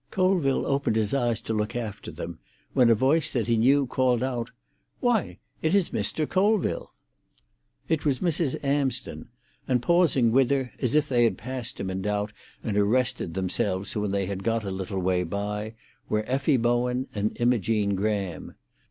Colville opened his eyes to look after them, when a voice that he knew called out, "Why, it is Mr. Colville!" It was Mrs. Amsden, and pausing with her, as if they had passed him in doubt, and arrested themselves when they had got a little way by, were Effie Bowen and Imogene Graham.